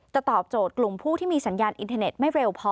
ตอบโจทย์กลุ่มผู้ที่มีสัญญาณอินเทอร์เน็ตไม่เร็วพอ